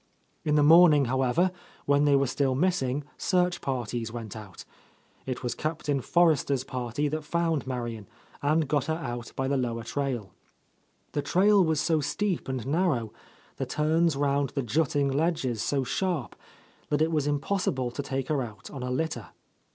In the morning, however, when they were still missing, searclr parties went out. It was Captain Forrester's party that found Marian, and got her out by the lower trail. The trail was so steep and narrow, the turns" round the jutting ledges so sharp, that it was impossible to take .her out on a litter.